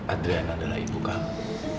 adriana adalah ibu kamu